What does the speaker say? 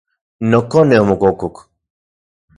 Nokone omokokok.